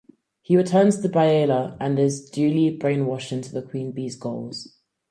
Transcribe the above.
He returns to Biayla and is duly brainwashed into the Queen Bee's goals.